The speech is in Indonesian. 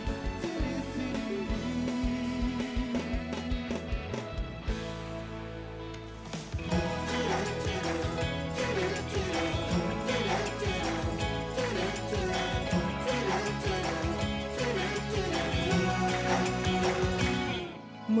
aku suka mungkin